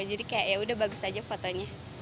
jadi kayak ya udah bagus aja fotonya